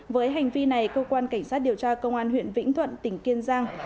với hành vi này cơ quan cảnh sát điều tra công an huyện vĩnh thuận tỉnh kiên giang